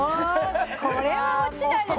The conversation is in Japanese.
これは落ちないですよ